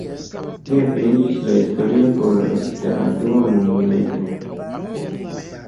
Ne finiĝis la historio post la dua mondomilito.